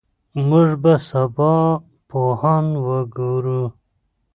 موږ به سبا پوهان وګورو.